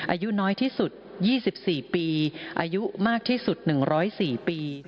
อายุน้อยที่สุด๒๔ปีอายุมากที่สุด๑๐๔ปี